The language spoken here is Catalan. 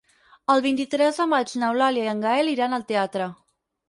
El vint-i-tres de maig n'Eulàlia i en Gaël iran al teatre.